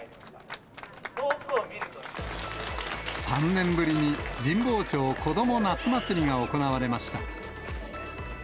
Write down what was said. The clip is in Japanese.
３年ぶりに神保町子ども夏まつりが行われました。